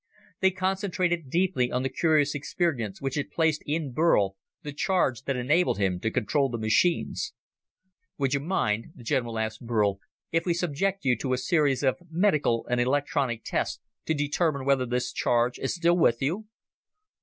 They concentrated deeply on the curious experience which had placed in Burl the charge that enabled him to control the machines. "Would you mind," the general asked Burl, "if we subject you to a series of medical and electronic tests to determine whether this charge is still with you?"